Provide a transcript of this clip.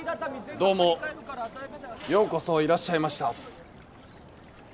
どうもようこそいらっしゃいました。